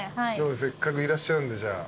せっかくいらっしゃるんでじゃあ。